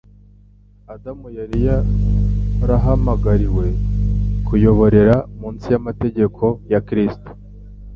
Adamu yari yarahamagariwe kuyoborera munsi y'amategeko ya Kristo.